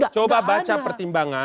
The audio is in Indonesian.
coba baca pertimbangan